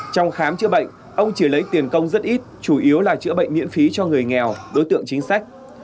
trong khám chữa bệnh ông chỉ lấy tiền công rất ít chủ yếu là chữa bệnh miễn phí cho người nghèo đối tượng chính sách